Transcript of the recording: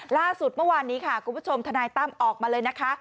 ล่าสุดเมื่อวานนี้ค่ะคุณผู้ชมทนายตั้มออกมาเลยนะคะ